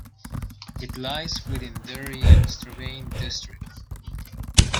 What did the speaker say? It lies within Derry and Strabane district.